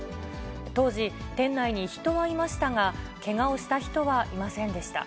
当時、店内に人はいましたが、けがをした人はいませんでした。